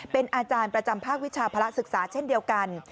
เป็นอาจารย์ประจำภาควิชาภาระศึกษาเช่นเดียวกัน